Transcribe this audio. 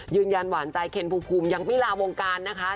ยืนยันหวานใจเคนภูมิภูมิยังไม่ลาวงการนะคะ